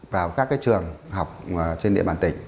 vào các cái trường học trên địa bàn tỉnh